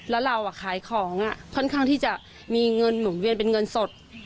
แล้วเราขายของค่อนข้างที่จะมีเงินหมุนเวียนเป็นเงินสด